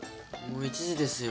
もう１時ですよ。